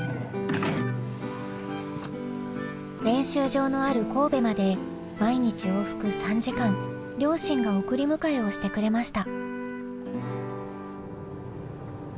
練習場のある神戸まで毎日往復３時間両親が送り迎えをしてくれました。